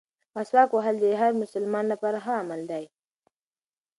مسواک وهل د هر مسلمان لپاره ښه عمل دی.